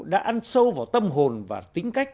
đã ăn sâu vào tâm hồn và tính cách